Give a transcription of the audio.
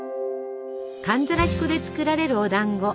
寒ざらし粉で作られるおだんご。